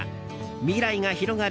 「未来が広がる！